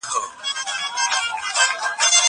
زه پرون تمرين وکړل!!